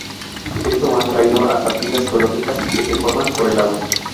Esto ha traído hasta pilas geológicas, que se forman por el agua.